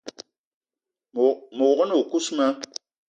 Me wog-na o kousma: